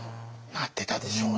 なってたでしょうね。